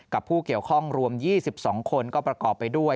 ผู้เกี่ยวข้องรวม๒๒คนก็ประกอบไปด้วย